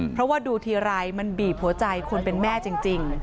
เพราะว่าดูทีไรมันบีบหัวใจคนเป็นแม่จริง